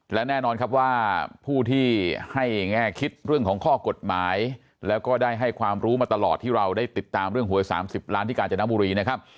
และแน่นอนครับว่าผู้ที่ให้แง่คิดเรื่องของข้อกฎหมายแล้วก็ได้ให้ความรู้มาตลอดที่เราได้ติดตามเรื่องหวย๓๐ล้านที่กาญจนบุรีนะครับ